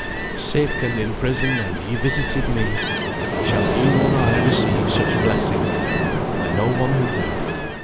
"Sick, and in prison, and ye visited me." Shall you, or I, receive such blessing? I know one who will.